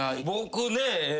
僕ね。